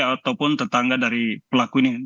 ataupun tetangga dari pelaku ini